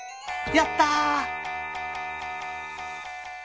「やった！」。